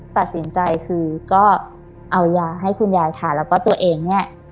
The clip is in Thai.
ตัดสินใจคือก็เอายาให้คุณยายทานแล้วก็ตัวเองเนี่ย